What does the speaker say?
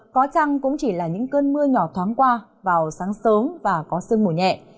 có chăng cũng chỉ là những cơn mưa nhỏ thoáng qua vào sáng sớm và có sương mù nhẹ